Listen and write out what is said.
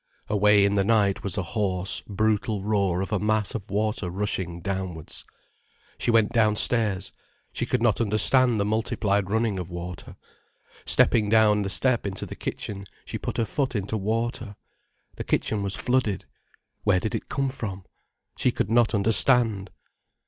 Away in the night was a hoarse, brutal roar of a mass of water rushing downwards. She went downstairs. She could not understand the multiplied running of water. Stepping down the step into the kitchen, she put her foot into water. The kitchen was flooded. Where did it come from? She could not understand.